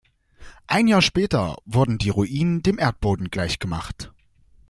Ein Jahr später wurden die Ruinen dem Erdboden gleichgemacht.